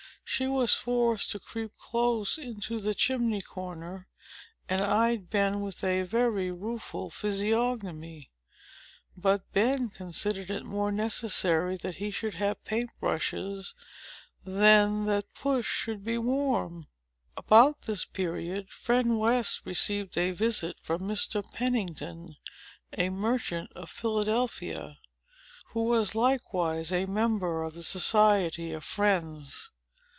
she was forced to creep close into the chimney corner, and eyed Ben with a very rueful physiognomy. But Ben considered it more necessary that he should have paint brushes, than that Puss should be warm. About this period, Friend West received a visit from Mr. Pennington, a merchant of Philadelphia, who was likewise a member of the Society of Friends.